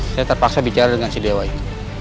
saya terpaksa bicara dengan si dewa ini